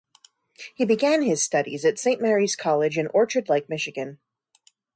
He began his studies at Saint Mary's College in Orchard Lake, Michigan.